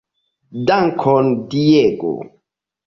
Dankon Diego!